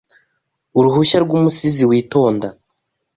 Uruhushya rwumusizi witonda